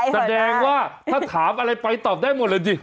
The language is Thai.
แสดงว่าถ้าถามอะไรไปตอบได้หมดเลยสิ